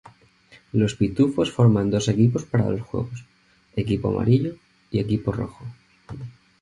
Los pitufos forman dos equipos para los juegos: equipo amarillo y equipo rojo.